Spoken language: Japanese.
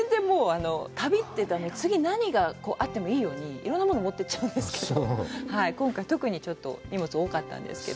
旅って、行ったら次、何があってもいいように、いろんなものを持っていってちゃうんですけど、今回、特にちょっと荷物が多かったんですけど。